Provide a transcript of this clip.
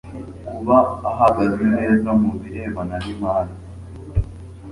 kuba ahagaze neza mu birebana n imari